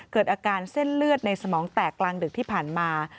เกิดอาการเส้นเลือดในสมองแตกกลางดึกที่ผ่านมา